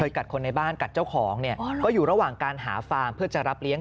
กัดคนในบ้านกัดเจ้าของเนี่ยก็อยู่ระหว่างการหาฟาร์มเพื่อจะรับเลี้ยง